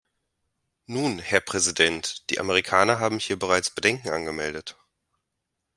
Nun, Herr Präsident, die Amerikaner haben hier bereits Bedenken angemeldet.